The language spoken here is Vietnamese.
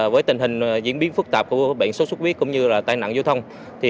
với tình hình diễn biến phức tạp của bệnh số xuất viết cũng như tai nặng vô thông